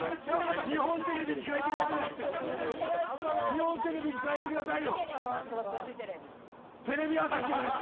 日本テレビに変えてください。